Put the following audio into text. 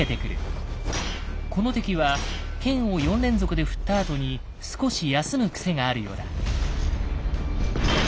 この敵は剣を４連続で振ったあとに少し休む癖があるようだ。